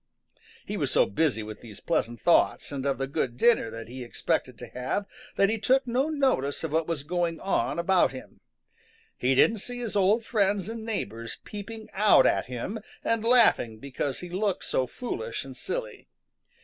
He was so busy with these pleasant thoughts and of the good dinner that he expected to have that he took no notice of what was going on about him. He didn't see his old friends and neighbors peeping out at him and laughing because he looked so foolish and silly.